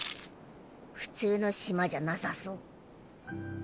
普通の島じゃなさそう。